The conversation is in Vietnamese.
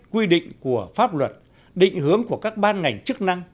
quy định của pháp luật định hướng của các ban ngành chức năng